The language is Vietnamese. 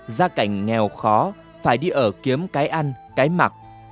gia cảnh nghèo khó phải đi ở kiếm cái ăn cái mặc